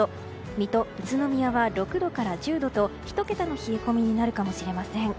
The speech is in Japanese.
水戸、宇都宮は６度から１０度と１桁の冷え込みになるかもしれません。